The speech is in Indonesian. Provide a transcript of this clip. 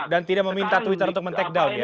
dan tidak meminta twitter untuk men take down ya